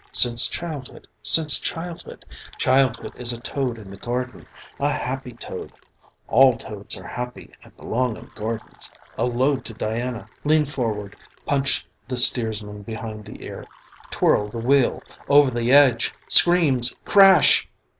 Since childhood, since childhood! Childhood is a toad in the garden, a happy toad. All toads are happy and belong in gardens. A toad to Diana! Lean forward. Punch the steersman behind the ear. Twirl the wheel! Over the edge! Screams! Crash!